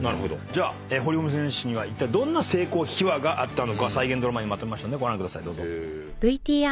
じゃあ堀米選手にはいったいどんな成功秘話があったのか再現ドラマにまとめましたのでご覧ください。